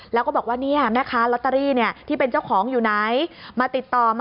แล้วก็บอกว่าเนี่ยแม่ค้าลอตเตอรี่เนี่ยที่เป็นเจ้าของอยู่ไหน